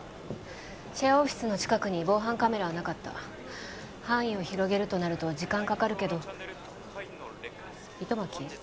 シェアオフィスの近くに防犯カメラはなかった範囲を広げるとなると時間かかるけど糸巻？